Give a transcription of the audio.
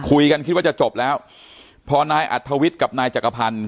คุยกันคิดว่าจะจบแล้วพอนายอัฐวิทย์กับนายจักรภัณฑ์